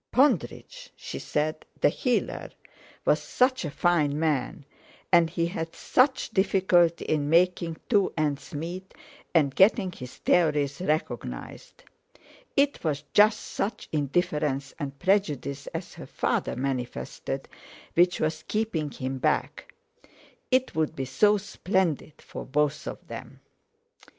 Pondridge—she said—the healer, was such a fine man, and he had such difficulty in making two ends meet, and getting his theories recognised. It was just such indifference and prejudice as her father manifested which was keeping him back. It would be so splendid for both of them!